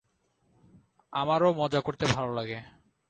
আমারো মজা করতে ভালো লাগে।